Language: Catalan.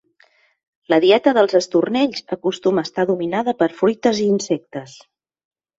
La dieta dels estornells acostuma a estar dominada per fruites i insectes.